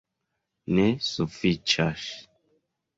Ne, sufiĉas!